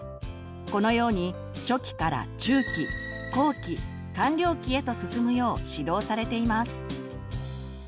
このように初期から中期後期完了期へと進むよう指導されています。